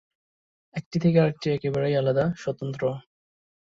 একটি থেকে আরেকটি একেবারেই আলাদা, স্বতন্ত্র।